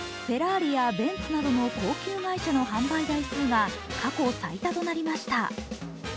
フェラーリやベンツなどの高級外車の販売台数が過去最多となりました。